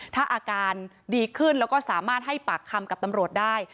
ถ้าอาการดีขึ้นแล้วก็สามารถให้ปากคำกับตำรวจได้